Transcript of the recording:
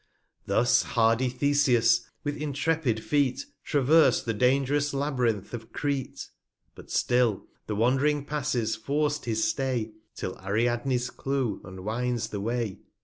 Thus hardy Theseus, with intrepid Feet, Travers'd the dang'rous Labyrinth of Crete , But still the wandring Passes forc'd his Stay, 85 Till Ariadnes Clue unwinds the Way.